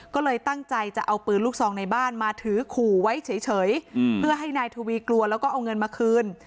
ก็เลยตั้งใจจะเอาปืนลูกซองในบ้านมาถือขู่ไว้เฉยเพื่อให้นายทวีกลัวแล้วก็เอาเงินมาคืน